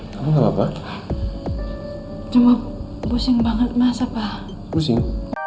kamu gak apa apa cuma pusing banget masa pak pusing